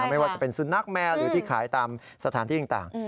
ไม่ว่าจะเป็นสุนัขแมวหรือที่ขายตามสถานที่ต่าง